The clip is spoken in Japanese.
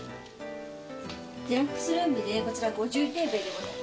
デラックスルームでこちら５０平米でございます。